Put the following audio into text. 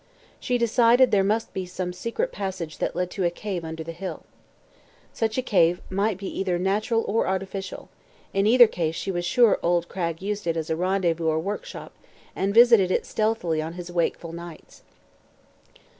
She decided there must be some secret passage that led to a cave under the hill. Such a cave might be either natural or artificial; in either case she was sure old Cragg used it as a rendezvous or workshop and visited it stealthily on his "wakeful" nights.